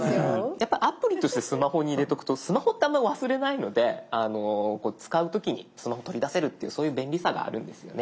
やっぱアプリとしてスマホに入れとくとスマホってあんまり忘れないので使う時にスマホ取り出せるっていうそういう便利さがあるんですよね。